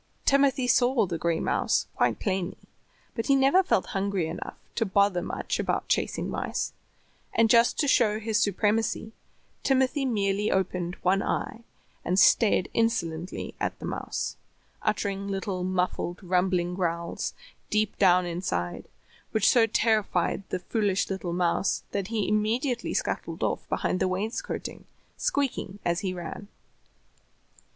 Timothy saw the gray mouse quite plainly, but he never felt hungry enough to bother much about chasing mice, and, just to show his supremacy, Timothy merely opened one eye and stared insolently at the mouse, uttering little muffled, rumbling growls deep down inside, which so terrified the foolish little mouse that he immediately scuttled off behind the wainscoting, squeaking as he ran.